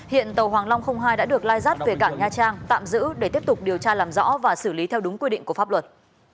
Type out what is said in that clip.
hiện tàu hoàng long hai đã được lai rắt về cảng nha trang tạm giữ để tiếp tục điều tra làm rõ và xử lý theo đúng quy định của pháp luật